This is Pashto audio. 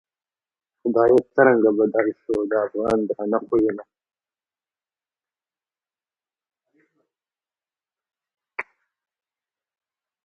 خدایه څرنگه بدل شوو، د افغان درانه خویونه